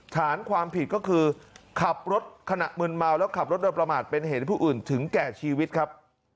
ฐานความผิดก็คือขับรถขณะมืนเมาแล้วขับรถโดยประมาทเป็นเหตุให้ผู้อื่นถึงแก่ชีวิตครับ